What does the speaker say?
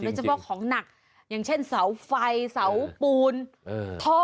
เฉพาะของหนักอย่างเช่นเสาไฟเสาปูนท่อ